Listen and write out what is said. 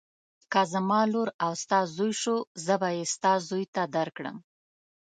که زما لور او ستا زوی شو زه به یې ستا زوی ته درکړم.